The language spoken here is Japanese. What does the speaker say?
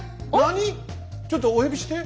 ちょっとお呼びして。